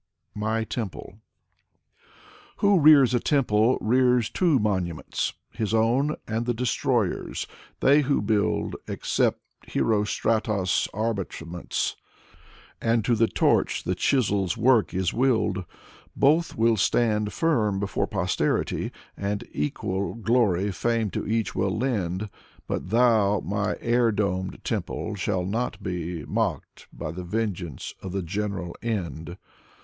N. Minsky g5 MY TEMPLE Who rears a temple, rears two monuments: His own and the destroyer's. They who build Accept Herostratos' arbitraments: And to the torch the chiseFs work is willed. Both will stand firm before posterity, And equal glory Fame to each will lend. But thou, my air domed temple, shalt not be Mocked by the vengeance of the general end.